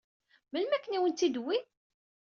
Melmi akken i awen-tt-id-wwin?